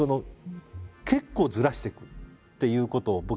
結構ずらしてくっていうことを。